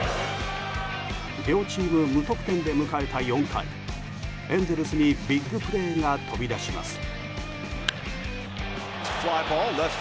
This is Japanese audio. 両チーム無得点で迎えた４回エンゼルスにビッグプレーが飛び出します。